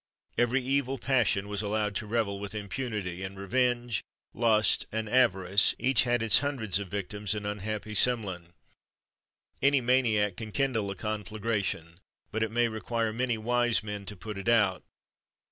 Every evil passion was allowed to revel with impunity, and revenge, lust, and avarice, each had its hundreds of victims in unhappy Semlin. Any maniac can kindle a conflagration, but it may require many wise men to put it out.